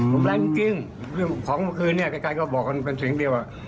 ลมแรงจริงของคืนเนี่ยใกล้ก็บอกมันเป็นเสียงเดียว